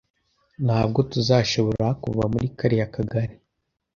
Ntabwo tuzashobora kuva muri kariya kagari